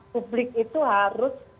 publik itu harus